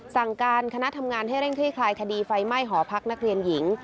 สั่งการคณะทำงานให้เร่งคลี่คลายคดีไฟไหม้หอพักนักเรียนหญิง